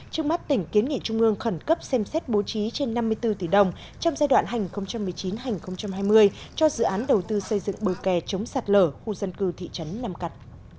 trước mắt tỉnh kiến nghị trung ương khẩn cấp xem xét bố trí trên năm mươi bốn tỷ đồng trong giai đoạn hành một mươi chín hai nghìn hai mươi cho dự án đầu tư xây dựng bờ kè chống sạt lở khu dân cư thị trấn năm cặn